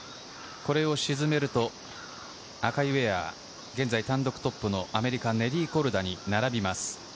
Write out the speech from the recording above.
これを沈めると、赤いウエア、現在単独トップのネリー・コルダに並びます。